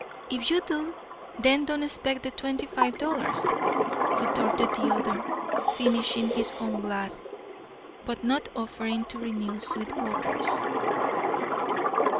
"If you do, then don't expect the twenty five dollars," retorted the other, finishing his own glass, but not offering to renew Sweetwater's.